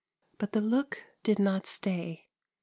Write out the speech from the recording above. But the look did not stay.